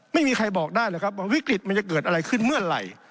ไม่มีใครบอกได้เลยครับว่าวิกฤตมันจะเกิดอะไรขึ้นเมื่อไหร่